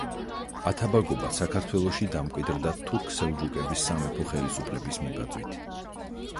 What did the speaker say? ათაბაგობა საქართველოში დამკვიდრდა თურქ სელჯუკების სამეფო ხელისუფლების მიბაძვით.